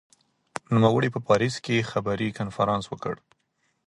نوموړي په پاریس کې خبري کنفرانس وکړ.